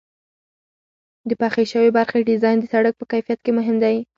د پخې شوې برخې ډیزاین د سرک په کیفیت کې مهم دی